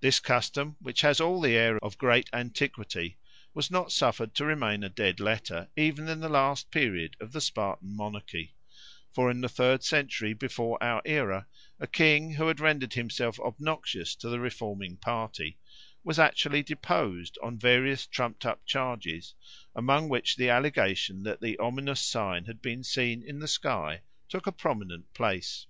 This custom, which has all the air of great antiquity, was not suffered to remain a dead letter even in the last period of the Spartan monarchy; for in the third century before our era a king, who had rendered himself obnoxious to the reforming party, was actually deposed on various trumped up charges, among which the allegation that the ominous sign had been seen in the sky took a prominent place.